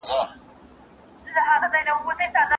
چي یې ځان وي قربان کړی هغه هېر وي